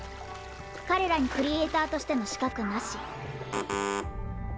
かれらにクリエイターとしてのしかくなし。